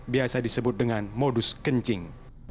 biasa disebut dengan modus kencing